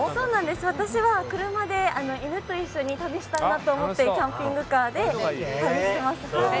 私は車で犬と一緒に旅をしたいなと思ってキャンピングカーで旅してます。